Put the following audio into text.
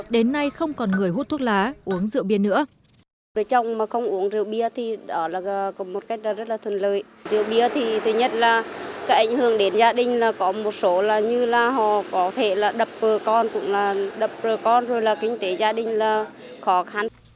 đến nay không còn người hút thuốc lá uống rượu bia nữa